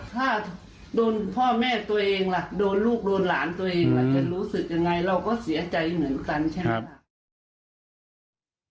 ถ้าโดนพ่อแม่ตัวเองล่ะโดนลูกโดนหลานตัวเองมันจะรู้สึกยังไงเราก็เสียใจเหมือนกันใช่ไหมค่ะ